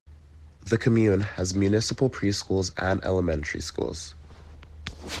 The commune has municipal preschools and elementary schools.